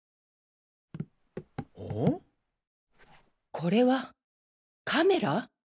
これはカメラ？